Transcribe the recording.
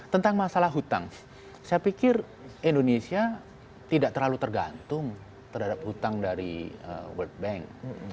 tentang masalah hutang saya pikir indonesia tidak terlalu tergantung terhadap hutang dari world bank